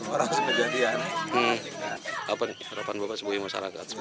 wahid lemang pertam coronas menteri provinsi idina saatber custom enam puluh lima